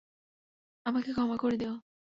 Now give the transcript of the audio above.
আমাকে ক্ষমা করে দিও।